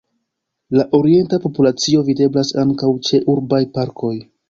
La orienta populacio videblas ankaŭ ĉe urbaj parkoj.